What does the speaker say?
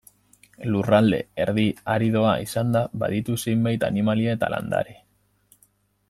Lurralde erdi-aridoa izanda baditu zenbait animalia eta landare.